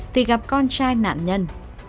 thì gặp con trai nạn nhân